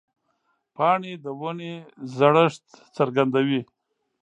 پاڼې د ونې زړښت څرګندوي.